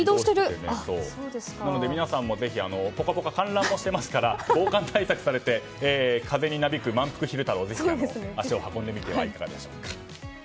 なので皆さんもぜひ「ぽかぽか」観覧もしていますから防寒対策されて、風になびくまんぷく昼太郎に足を運んでみてはいかがでしょうか。